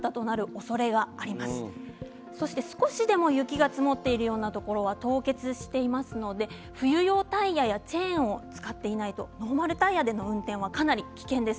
それから少しでも雪が積もっているようなところは凍結していますので冬用タイヤやチェーンを使っていないとノーマルタイヤでの運転はかなり危険です。